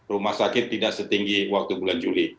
rumah sakit tidak setinggi waktu bulan juli